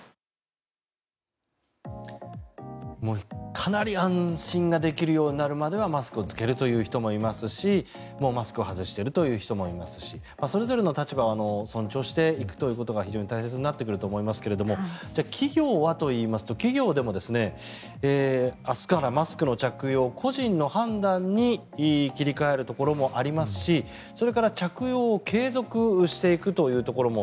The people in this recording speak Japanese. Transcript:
かなり安心ができるようになるまではマスクを着けるという人もいますしもうマスクを外している人もいますしそれぞれの立場を尊重していくということが非常に大切になってくると思いますけど企業はと言いますと、企業でも明日からマスクの着用個人の判断に切り替えるところもありますしそれから着用を継続していくというところも。